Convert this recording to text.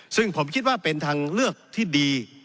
ซึ่งผมคิดว่าเป็นทางเลือกที่ดี